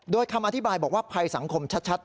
โดยคำอธิบายบอกว่าภัยสังคมชัด